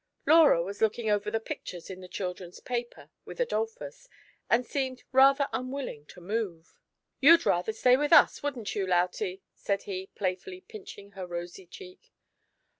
Laura was looking over the pictures in the "Chil dren's Paper" with Adolphus, and seemed rather un willing to move. SUNDAY AT DOVE S NEST. " You'd rather atay wifcli us, wouldn't you, Lautie ?" said he, playftiUy pinching her rosy cheek.